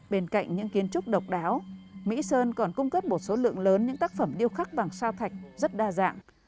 bên cạnh những kiến trúc độc đáo mỹ sơn còn cung cấp một số lượng lớn những tác phẩm điêu khắc bằng sao thạch rất đa dạng